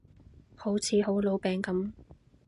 好似好老餅噉